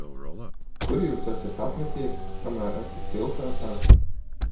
Kur jūs esat apmeties, kamēr esat pilsētā?